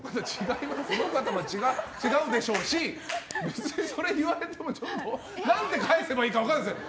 この方、違うでしょうし別にそれを言われても何て返せばいいか分からないです。